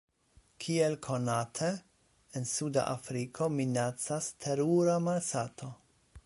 Kiel konate, en suda Afriko minacas terura malsato.